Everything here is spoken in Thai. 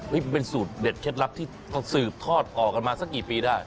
นี่เป็นสูตรเด็ดเคล็ดลักษณ์ที่ต้องสืบทอดกล่อกันมาสักกี่ปีได้